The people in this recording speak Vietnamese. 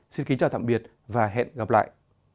xin kính chào tạm biệt và hẹn gặp lại